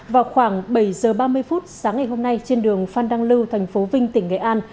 vào khoảng bảy giờ ba mươi phút sáng ngày hôm nay trên đường phan đăng lưu thành phố vinh tỉnh nghệ an